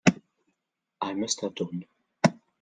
I must have done.